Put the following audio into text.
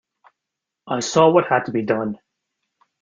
I saw what had to be done.